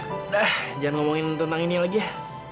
udah jangan ngomongin tentang ini lagi ya